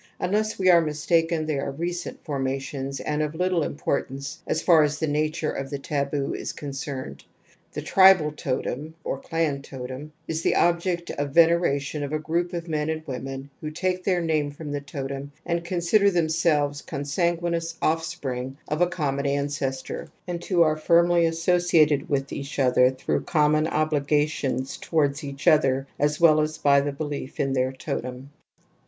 Unless we are mistaken they are recent formations and of little importance as far as the nature of the taboo is concerned. The tribal totem (clan totem) is the object of •^ V ^// 172 TOTEM AND TABOO veneration of a group of men and women who take their name from the totem and consider themselves consanguineous offspring of a com mon ancestor, and who are firmly associated with each other through common obligations towards each other as well as by the belief in their totem.